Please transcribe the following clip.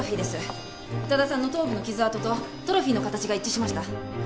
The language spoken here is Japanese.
宇多田さんの頭部の傷痕とトロフィーの形が一致しました。